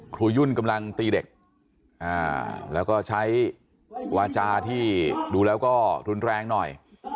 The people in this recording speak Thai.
ยุ่นกำลังตีเด็กแล้วก็ใช้วาจาที่ดูแล้วก็รุนแรงหน่อย